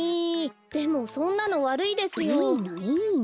でもそんなのわるいですよ。